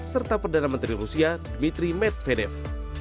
serta perdana menteri rusia dmitry medvedev